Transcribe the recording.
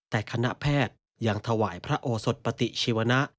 แต่คณะแพทย์ยังถวายพระโอสดปฏิชีวนะ